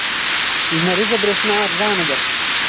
لمریزه برېښنا ارزانه ده.